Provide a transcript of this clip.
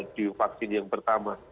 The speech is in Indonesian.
di vaksin yang pertama